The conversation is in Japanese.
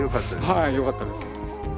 はいよかったです。